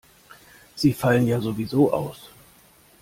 Sie fallen ja sowieso aus.